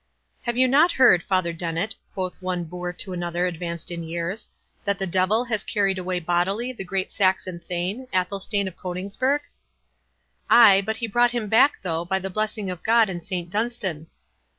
"Have you not heard, Father Dennet," quoth one boor to another advanced in years, "that the devil has carried away bodily the great Saxon Thane, Athelstane of Coningsburgh?" "Ay, but he brought him back though, by the blessing of God and Saint Dunstan."